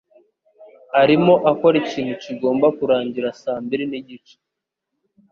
arimo akora ikintu kigomba kurangira saa mbiri nigice.